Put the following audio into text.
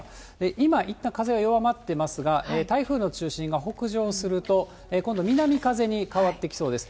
今、いったん風は弱まっていますが、台風の中心が北上すると、今度南風に変わってきそうです。